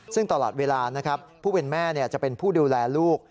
ซึ่งตลอดเวลานะครับผู้เป็นแม่จะเป็นผู้ดูแลลูก